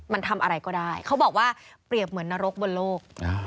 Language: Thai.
มันทำอะไรก็ได้เขาบอกว่าเปรียบเหมือนนรกบนโลก